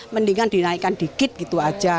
mendingan dinaikkan dikit gitu aja